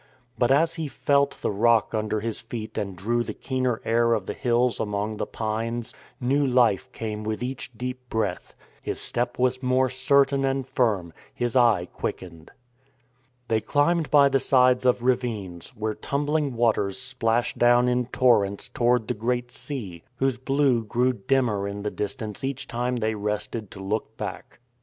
But as he felt the rock under his feet and drew the keener air of the hills among the pines, new life came with each deep breath. His step was more certain and firm, his eye quickened. They climbed by the sides of ravines, where tum bling waters splashed down in torrents toward the Great Sea, whose blue grew dimmer in the distance each time they rested to look back.